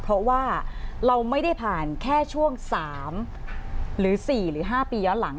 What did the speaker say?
เพราะว่าเราไม่ได้ผ่านแค่ช่วง๓หรือ๔หรือ๕ปีย้อนหลัง